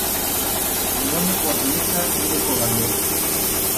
No me cuaca mica ir de codallo.